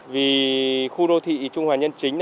vì khu đô thị trung hòa nhân chính